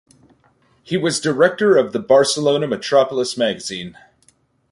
He was director of the Barcelona Metropolis magazine.